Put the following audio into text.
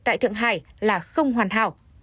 tại thượng hải là không hoàn hảo